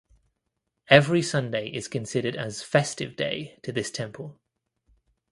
Every Sunday is considered as festive day to this temple.